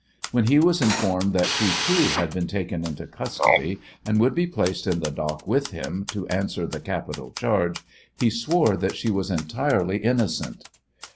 When he was informed that she, too, had been taken into custody and would be placed in the dock with him to answer the capital charge, he swore that she was entirely innocent.